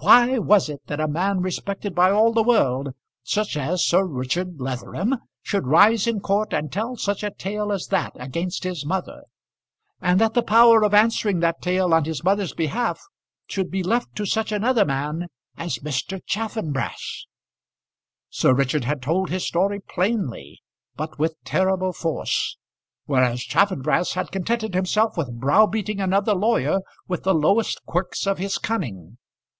Why was it that a man respected by all the world, such as Sir Richard Leatherham, should rise in court and tell such a tale as that against his mother; and that the power of answering that tale on his mother's behalf should be left to such another man as Mr. Chaffanbrass? Sir Richard had told his story plainly, but with terrible force; whereas Chaffanbrass had contented himself with brow beating another lawyer with the lowest quirks of his cunning.